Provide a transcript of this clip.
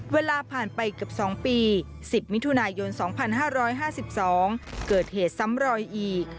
เวลาผ่านไปเกือบ๒ปี๑๐มิถุนายน๒๕๕๒เกิดเหตุซ้ำรอยอีก